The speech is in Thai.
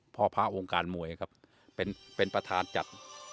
พ่อพระองค์การมวยครับเป็นประธานจัด